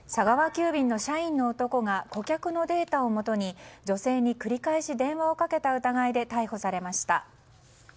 急便の社員の男が顧客のデータをもとに女性に繰り返し電話をかけた疑いで逮捕されました。